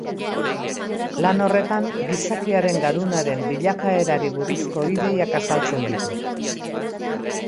Lan horretan gizakiaren garunaren bilakaerari buruzko ideiak azaltzen ditu.